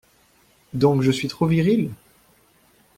Donc je suis trop viril?